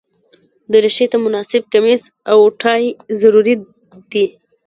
دریشي ته مناسب کمیس او ټای ضروري دي.